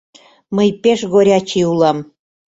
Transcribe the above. Мый пеш горячий улам.